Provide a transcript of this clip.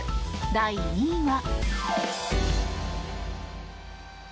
第２位は。